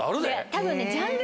多分ね。